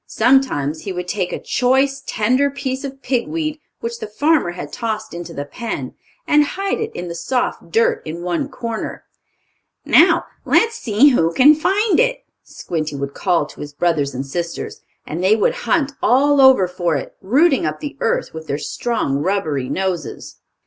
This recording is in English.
Sometimes he would take a choice, tender piece of pig weed, which the farmer had tossed into the pen, and hide it in the soft dirt in one corner. "Now see who can find it!" Squinty would call to his brothers and sisters, and they would hunt all over for it, rooting up the earth with their strong, rubbery noses.